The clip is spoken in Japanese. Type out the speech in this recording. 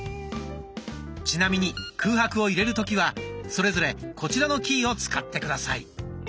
ちなみに空白を入れる時はそれぞれこちらのキーを使って下さい。